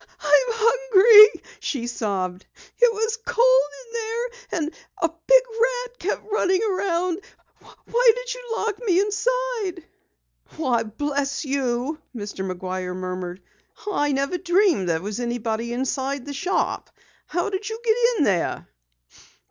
"I'm hungry," she sobbed. "It was cold in there, and a big rat kept running around. Why did you lock me inside?" "Why, bless you," Mr. McGuire murmured, "I never dreamed anyone was inside the shop! How did you get in there?"